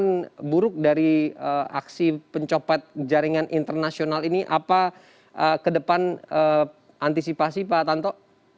pertanyaan buruk dari aksi pencopet jaringan internasional ini apa ke depan antisipasi pak tanto